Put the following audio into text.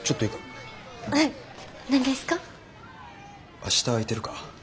明日空いてるか？